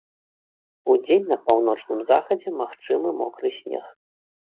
Удзень на паўночным захадзе магчымы мокры снег.